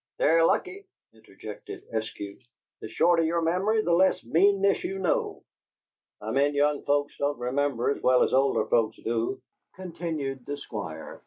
"They're lucky!" interjected Eskew. "The shorter your memory the less meanness you know." "I meant young folks don't remember as well as older people do," continued the Squire.